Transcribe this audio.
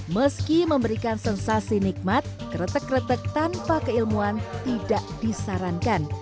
meski memberikan sensasi nikmat kretek kretek tanpa keilmuan tidak disarankan